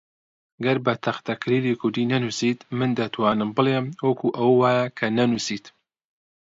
گەر بە تەختەکلیلی کوردی نەنووسیت، من دەتوانم بڵێم وەکو ئەوە وایە کە نەنووسیت